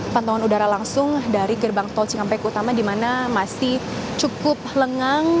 pantauan udara langsung dari gerbang tol cikampek utama di mana masih cukup lengang